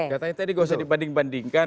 katanya tadi nggak usah dibanding bandingkan